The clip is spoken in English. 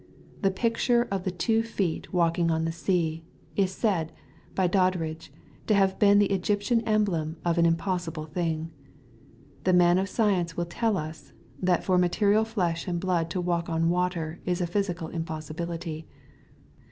The picture of two feet walking on the sea, is said by Dod dridge to have been the Egyptian emblem of an impossi ble thing. The man of science will tell us, that for material flesh and blood to walk on water is a physical impossibility.